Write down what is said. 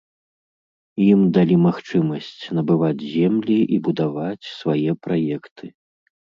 Ім далі магчымасць набываць землі і будаваць свае праекты.